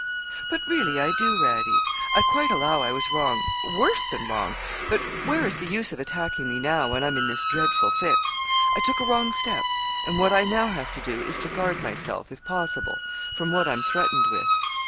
'But really I do, Radie. I quite allow I was wrong worse than wrong but where is the use of attacking me now, when I'm in this dreadful fix? I took a wrong step; and what I now have to do is to guard myself, if possible, from what I'm threatened with.'